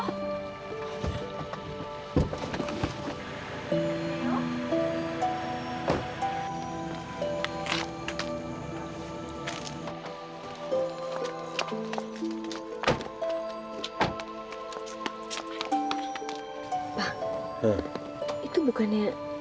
pak itu bukannya